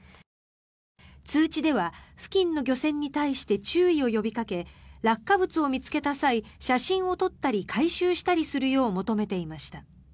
通知では付近の漁船に対して注意を呼びかけ落下物を見つけた際写真を撮ったり回収したりするよう求めていました。